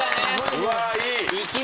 うわいい！